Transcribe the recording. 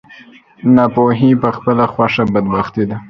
ناپوهي په خپله خوښه بدبختي ده.